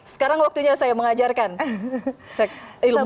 sekarang waktunya saya mengajarkan ilmu